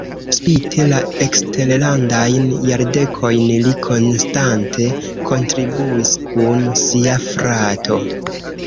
Spite la eksterlandajn jardekojn li konstante kontribuis kun sia frato.